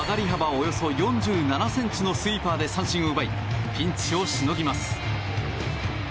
およそ４７ｃｍのスイーパーで三振を奪いピンチをしのぎます。